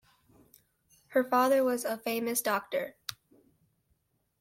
Her father was a famous doctor.